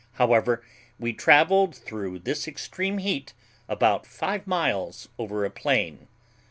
However, we travelled through this extreme heat about five miles over a plain.